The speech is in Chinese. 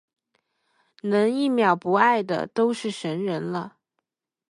能一秒不爱的都是神人了